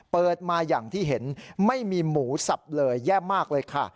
เปิดมาอย่างที่เห็นไม่มีหมูสับเลยแย่มากเลยค่ะ